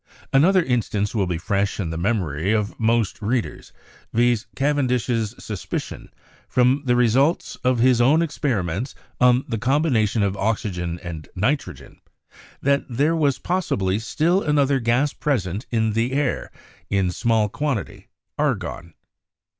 Another instance will be fresh in the memory of most readers, viz., Cavendish's suspicion, from the results of his own experiments on the combina THE PHLOGISTIC PERIOD PROPER 115 tion of oxygen and nitrogen, that there was possibly still another gas present in the air in small quantity (argon).